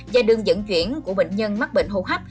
và đường dẫn chuyển của bệnh nhân mắc bệnh hô hấp